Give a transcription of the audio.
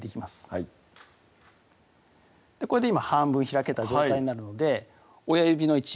はいこれで今半分開けた状態になるので親指の位置